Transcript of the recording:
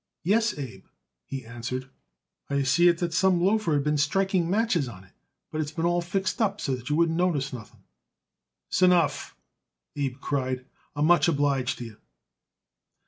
"Yes, Abe," he answered. "I see it that some loafer has been striking matches on it, but it's been all fixed up so that you wouldn't notice nothing." "S'enough," Abe cried. "I'm much obliged to you."